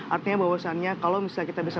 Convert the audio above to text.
artinya bahwasannya kalau misalnya kita bisa